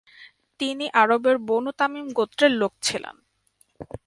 তিনি আরবের Banu Tamim গোত্রের লোক ছিলেন।